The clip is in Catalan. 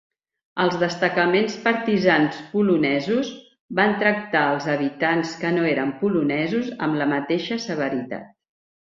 Els destacaments partisans polonesos van tractar els habitants que no eren polonesos amb la mateixa severitat.